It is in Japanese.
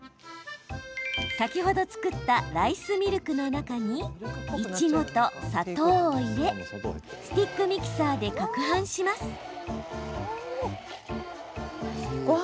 先ほど作ったライスミルクの中にいちごと砂糖を入れスティックミキサーでかくはんします。